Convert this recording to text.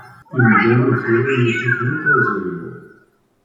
Imdanen tura yewt-iten akk uzaylal.